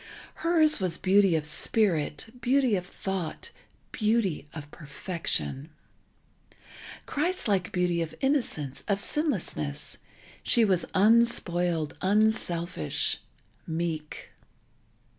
Hers was beauty of spirit, beauty of thought, beauty of perfection, Christ like beauty of innocence, of sinlessness; she was unspoiled, unselfish, meek.